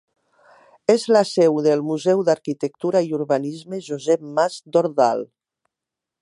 És la seu del Museu d'Arquitectura i Urbanisme Josep Mas Dordal.